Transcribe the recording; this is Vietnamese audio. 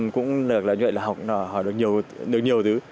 cũng được là như vậy là học được nhiều thứ